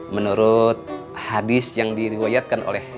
menurut hadis yang diriwayatkan oleh